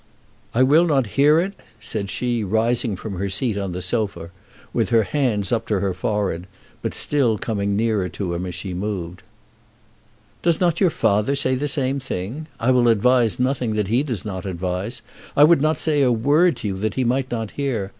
"I will not hear it," said she, rising from her seat on the sofa with her hands up to her forehead, but still coming nearer to him as she moved. "Does not your father say the same thing? I will advise nothing that he does not advise. I would not say a word to you that he might not hear.